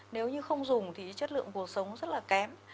nếu như không dùng thì chất lượng cuộc sống rất là kém